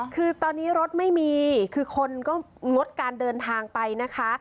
คือตอนนี้รถไม่มีคือคนก็งดการเดินทางไปนะคะ